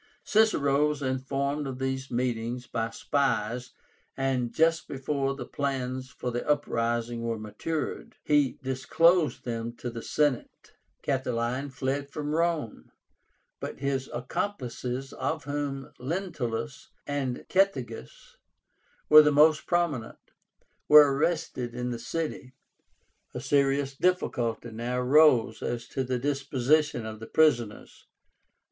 Cicero was informed of these meetings by spies, and just before the plans for the uprising were matured, he disclosed them to the Senate. Catiline fled from Rome; but his accomplices, of whom Lentulus and Cethégus were the most prominent, were arrested in the city. A serious difficulty now arose as to the disposition of the prisoners.